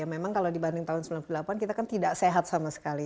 memang kalau dibanding tahun sembilan puluh delapan kita kan tidak sehat sama sekali